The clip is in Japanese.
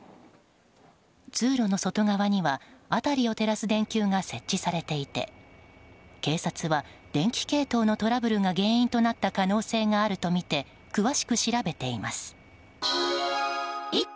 通路の外側には辺りを照らす電球が設置されていて警察は、電気系統のトラブルが原因となった可能性があるとみて詳しく調べています。